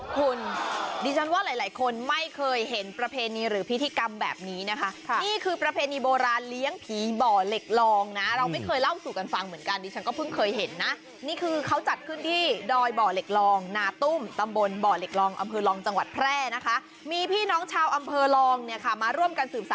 คุณดิฉันว่าหลายหลายคนไม่เคยเห็นประเพณีหรือพิธีกรรมแบบนี้นะคะนี่คือประเพณีโบราณเลี้ยงผีบ่อเหล็กลองนะเราไม่เคยเล่าสู่กันฟังเหมือนกันดิฉันก็เพิ่งเคยเห็นนะนี่คือเขาจัดขึ้นที่ดอยบ่อเหล็กลองนาตุ้มตำบลบ่อเหล็กลองอำเภอลองจังหวัดแพร่นะคะมีพี่น้องชาวอำเภอลองเนี่ยค่ะมาร่วมกันสืบส